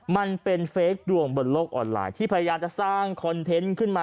มันเป็นเฟคดวงบนโลกออนไลน์ที่พยายามจะสร้างคอนเทนต์ขึ้นมา